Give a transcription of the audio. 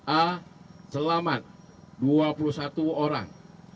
a selamat dua puluh satu orang